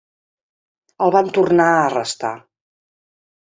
El van tornar a arrestar.